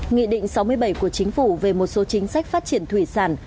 nghị định sáu mươi bảy của chính phủ về một số chính sách phát triển thủy sản